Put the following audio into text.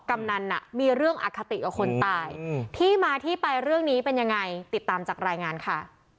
กำนันมีเรื่องอคติกับคนตายที่มาที่ไปเรื่องนี้เป็นยังไงติดตามจากรายงานค่ะ